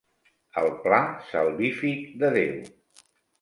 El pla salvífic de Déu.